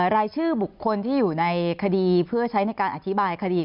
รายชื่อบุคคลที่อยู่ในคดีเพื่อใช้ในการอธิบายคดี